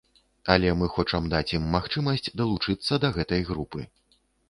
Але мы хочам даць ім магчымасць далучыцца да гэтай групы.